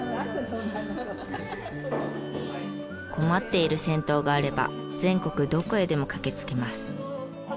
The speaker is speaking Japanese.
困っている銭湯があれば全国どこへでも駆けつけます。